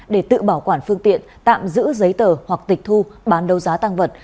để tự bảo quản phương tiện tạm giữ giấy tờ hoặc tịch thu bán đấu giá tăng vật